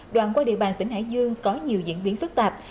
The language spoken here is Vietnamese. đoạn qua địa bàn tỉnh hải dương có nhiều diễn biến phức tạp